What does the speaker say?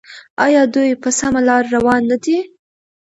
آیا دوی په سمه لار روان نه دي؟